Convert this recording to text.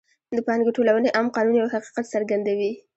د پانګې ټولونې عام قانون یو حقیقت څرګندوي